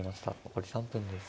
残り３分です。